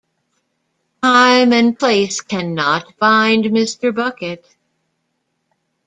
Time and place cannot bind Mr. Bucket.